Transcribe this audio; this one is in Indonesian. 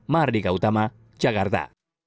mahardika utama jakarta